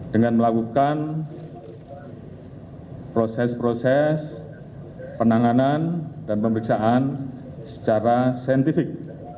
dengan melakukan proses proses penanganan dan pemeriksaan secara saintifik